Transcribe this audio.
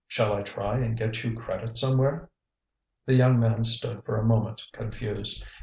Shall I try and get you credit somewhere?" The young man stood for a moment confused.